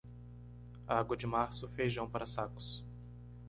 Água de março, feijão para sacos.